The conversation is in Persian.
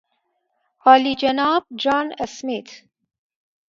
عالیجناب جان اسمیت